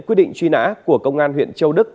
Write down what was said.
quyết định truy nã của công an huyện châu đức